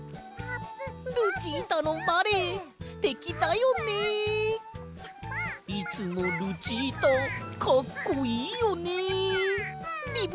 「ルチータのバレエすてきだよね！」「いつもルチータかっこいいよね！」。